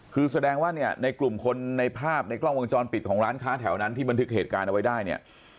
คือแสดงว่าเนี่ยในกลุ่มคนในภาพในกล้องวงจรปิดของร้านค้าแถวนั้นที่บันทึกเหตุการณ์เอาไว้ได้เนี่ย